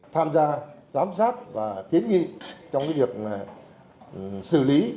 tham gia giám sát và kiến nghị trong việc xử lý